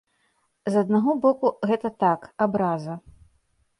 З аднаго боку, гэта так, абраза.